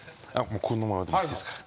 このままでいいですか。